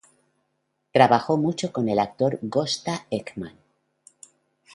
Trabajó mucho con el actor Gösta Ekman.